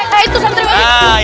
hei itu santriwati